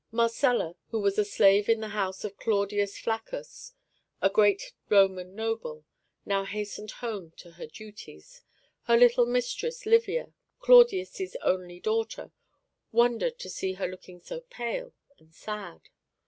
Marcella, who was a slave in the house of Claudius Flaccus, a great Roman noble, now hastened home to her duties. Her little mistress Livia, Claudius' only daughter, wondered to see her looking so pale and sad.